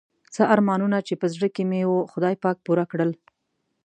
څه ارمانونه چې په زړه کې مې وو خدای پاک پوره کړل.